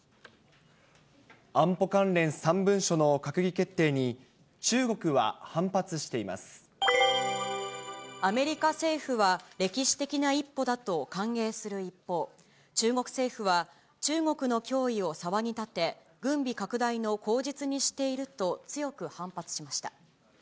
安保関連３文書の閣議決定に、アメリカ政府は歴史的な一歩だと歓迎する一方、中国政府は、中国の脅威を騒ぎ立て、軍備拡大の口実にしていると、強く反発しました。